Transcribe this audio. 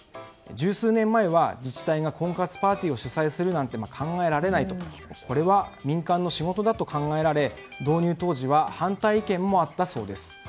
十数年前は自治体が婚活パーティーを主催するなんて考えられないとこれは民間の仕事だと考えられ、導入当時は反対意見もあったそうです。